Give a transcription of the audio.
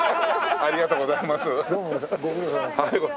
ありがとうございます。